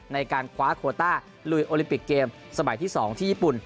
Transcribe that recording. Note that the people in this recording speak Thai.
ในการคว้าโคต้าลุยโอลิมปิกเกมสมัยที่๒ที่ญี่ปุ่น